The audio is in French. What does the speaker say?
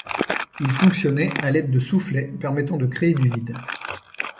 Il fonctionnait à l'aide de soufflets permettant de créer du vide.